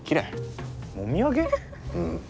うん。